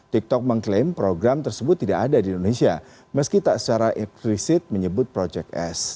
tiktok mengklaim program tersebut tidak ada di indonesia meski tak secara eksplisit menyebut project s